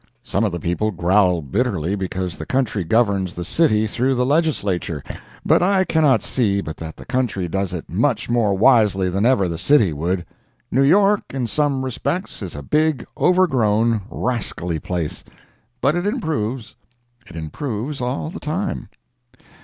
Some of the people growl bitterly because the country governs the city through the Legislature, but I cannot see but that the country does it much more wisely than ever the city would. New York, in some respects, is a big, overgrown, rascally place; but it improves—it improves all the time.